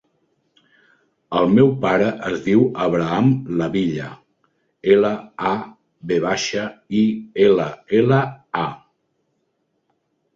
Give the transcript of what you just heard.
El meu pare es diu Abraham Lavilla: ela, a, ve baixa, i, ela, ela, a.